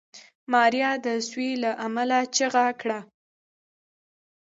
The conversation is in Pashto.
ماريا د سوي له امله چيغه کړه.